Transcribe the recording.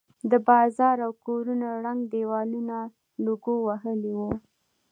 د بازار او کورونو ړنګ دېوالونه لوګو وهلي ول.